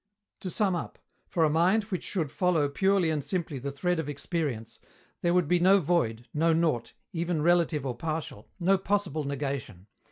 To sum up, for a mind which should follow purely and simply the thread of experience, there would be no void, no nought, even relative or partial, no possible negation.